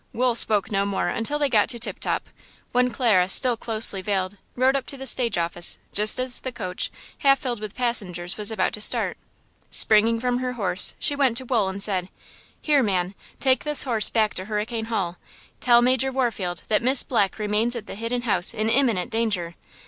Wool spoke no more until they got to Tip Top, when Clara still closely veiled, rode up to the stage office just as the coach, half filled with passengers, was about to start. Springing from her horse, she went up to Wool and said: "Here, man, take this horse back to Hurricane Hall! Tell Major Warfield that Miss Black remains at the Hidden House in imminent danger!